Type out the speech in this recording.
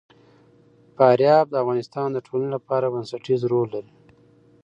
فاریاب د افغانستان د ټولنې لپاره بنسټيز رول لري.